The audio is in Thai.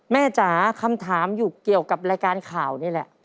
จ๋าคำถามอยู่เกี่ยวกับรายการข่าวนี่แหละ